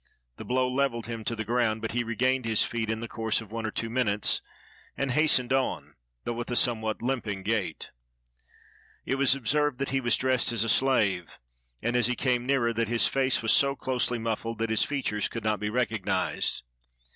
The blow leveled him to the ground, but he regained his feet in the course of one or two minutes, and hastened on, though with a somewhat limping gait. It was observed that he was dressed as a slave, and, as he came nearer, that his face was so closely mufifled that his features could not be recognized.